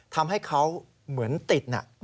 ทำให้เขาเหมือนติด